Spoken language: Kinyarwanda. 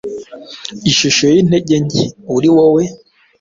Ishusho yintege nke, uriwowe